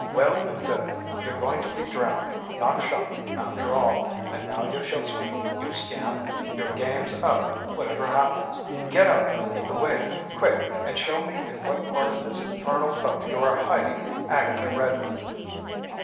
"Well and good! You're going to be drowned, not shot, after all! And now you shall speak, you scamp! Your game's up, whatever happens. Get up and lead the way, quick, and show me in what part of this infernal boat you are hiding Agatha Redmond."